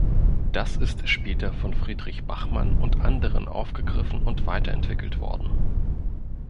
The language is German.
Das ist später von Friedrich Bachmann und anderen aufgegriffen und weiterentwickelt worden.